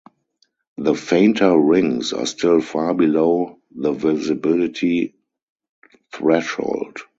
The fainter rings are still far below the visibility threshold.